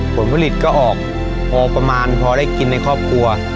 ผลผลิตก็ออกพอประมาณพอได้กินในครอบครัว